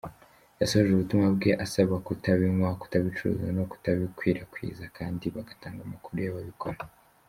Yasoje ubutumwa bwe abasaba kutabinywa, kutabicuruza, no kutabikwirakwiza, kandi bagatanga amakuru y’ababikora.